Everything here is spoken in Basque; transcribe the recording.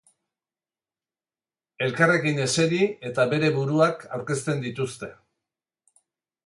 Elkarrekin eseri eta bere buruak aurkezten dituzte.